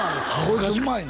こいつうまいの？